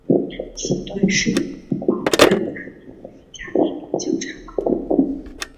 此段始于宝安南路与嘉宾路交叉口。